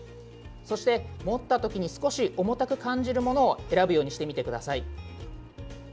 そして、持ったときに少し重たく感じるものを選ぶようにしてみてください。